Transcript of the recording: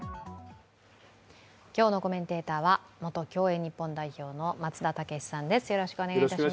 今日のコメンテーターは元競泳日本代表の松田丈志さんです。